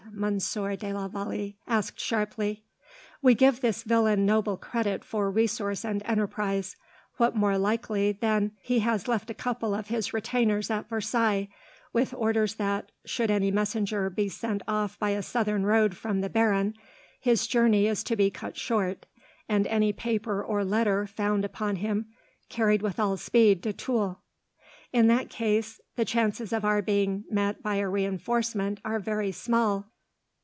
Monsieur de la Vallee asked sharply. "We give this villain noble credit for resource and enterprise. What more likely than that he has left a couple of his retainers at Versailles, with orders that, should any messenger be sent off by a southern road from the baron, his journey is to be cut short, and any paper or letter found upon him carried with all speed to Tulle? In that case, the chances of our being met by a reinforcement are very small."